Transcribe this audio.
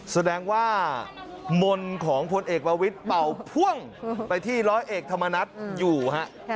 แสดงว่ามนต์ของพลเอกประวิทย์เป่าพ่วงไปที่ร้อยเอกธรรมนัฐอยู่ฮะ